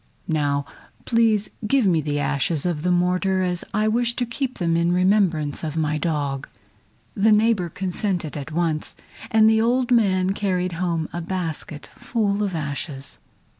Now please give me the ashes of the mortar, as I wish to keep them in remembrance of my dog." The neighbor consented at once, and the old man carried home a basket full of ashes.